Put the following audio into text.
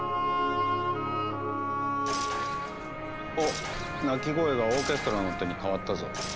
おっ鳴き声がオーケストラの音に変わったぞ。